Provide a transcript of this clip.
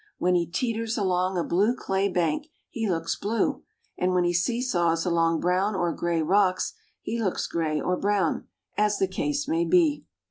When he "teeters" along a blue clay bank he looks blue, and when he "see saws" along brown or gray rocks he looks gray or brown, as the case may be.